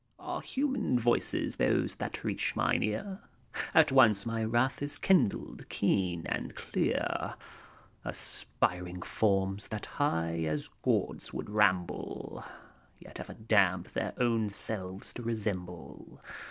KEREUS. Are human voices those that reach mine earf At once my wrath is kindled, keen and clear. Aspiring forms, tliat high as Gods would ramble. Yet ever damned their own selves to resemble.